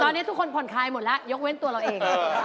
ตอนนี้ทุกคนผ่อนคลายหมดแล้วยกเว้นตัวเราเอง